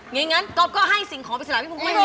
ไงงั้นกอล์ฟก็ให้สิ่งของปริศนาที่มึงไม่มี